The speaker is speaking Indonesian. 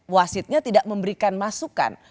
wasitnya tidak memberikan masukan